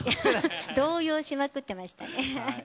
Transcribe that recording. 動揺しまくってましたね。